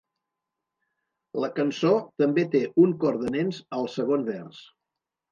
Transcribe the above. La cançó també té un cor de nens al segon vers.